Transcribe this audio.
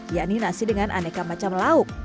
yakni nasi dengan aneka macam lauk